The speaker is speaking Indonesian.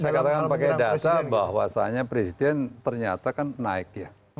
saya katakan pakai data bahwasannya presiden ternyata kan naik ya